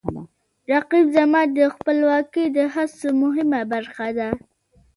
رقیب زما د خپلواکۍ د هڅو مهمه برخه ده